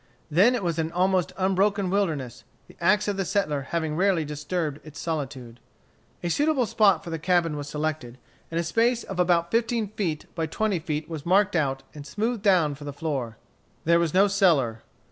Then it was an almost unbroken wilderness, the axe of the settler having rarely disturbed its solitude. A suitable spot for the cabin was selected, and a space of about fifteen feet by twenty feet was marked out and smoothed down for the floor. There was no cellar.